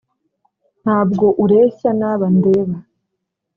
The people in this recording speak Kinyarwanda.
ntabwo ureshya n’aba ndeba,